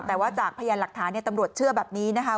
แต่ว่าจากพยานหลักฐานตำรวจเชื่อแบบนี้นะคะ